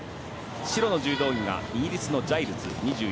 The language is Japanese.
白の柔道着がイギリスのジャイルズ。